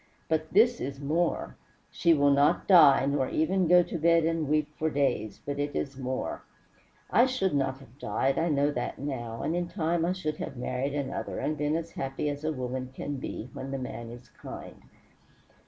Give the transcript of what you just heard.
But this is more. She will not die, nor even go to bed and weep for days, but it is more. I should not have died, I know that now, and in time I should have married another, and been as happy as a woman can be when the man is kind.